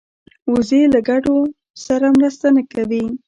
وزې له ګډو سره مرسته نه کوي